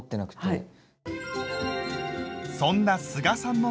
はい。